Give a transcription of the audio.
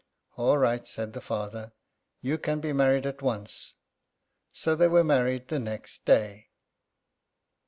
"All right," said the father; "you can be married at once." So they were married the next day.